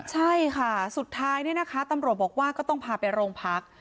ใช่ค่ะสุดท้ายเนี่ยนะคะตำรวจบอกว่าก็ต้องพาไปโรงพัก